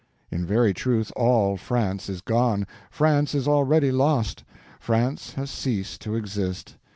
In very truth, all France is gone, France is already lost, France has ceased to exist.